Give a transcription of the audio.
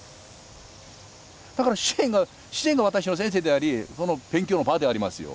だから自然が私の先生であり勉強の場でありますよ。